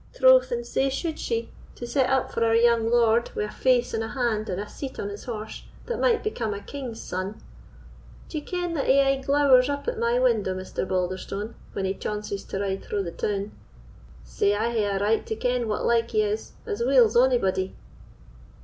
Troth, and sae should she, to set up for our young lord, with a face and a hand, and a seat on his horse, that might become a king's son. D'ye ken that he aye glowers up at my window, Mr. Balderstone, when he chaunces to ride thro' the town? Sae I hae a right to ken what like he is, as weel as ony body."